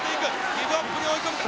ギブアップに追い込むか？